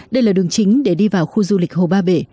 đây là đường chính để đi vào khu du lịch hồ ba bể